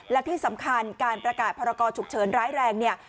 แล้วที่สำคัญการประกาศพรากอฉุกเฉินร้ายแรง